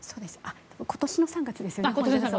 今年の３月ですね。